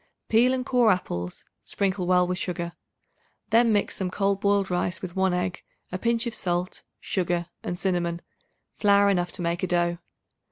Peel and core apples; sprinkle well with sugar. Then mix some cold boiled rice with 1 egg, a pinch of salt, sugar and cinnamon, flour enough to make a dough.